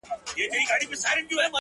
د دود وهلي ښار سپېڅلي خلگ لا ژونـدي دي!!